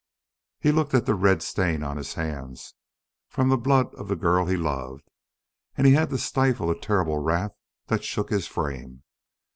He looked at the red stain on his hands from the blood of the girl he loved. And he had to stifle a terrible wrath that shook his frame.